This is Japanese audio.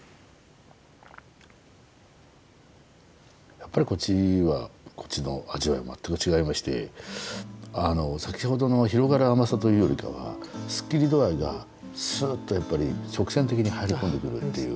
やっぱりこっちはこっちの味わいは全く違いまして先ほどの広がる甘さというよりかはすっきり度合いがすっとやっぱり直線的に入り込んでくるっていう。